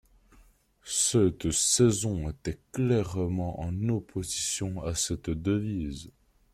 Cette saison était clairement en opposition à cette devise.